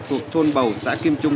tụi thôn bầu xã kim trung